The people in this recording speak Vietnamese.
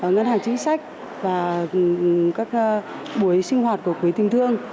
ngân hàng chính sách và các buổi sinh hoạt của quế tỉnh